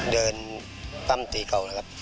เดินปั้มตีเก่านะครับ